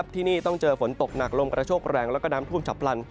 ที่นี่ต้องเจอฝนตกหนักลมกระโชคแรงแล้วก็น้ำท่วมฉับพลัน